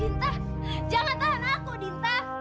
dinda jangan tahan aku dinda